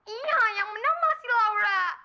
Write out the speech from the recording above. iya yang menang masih laura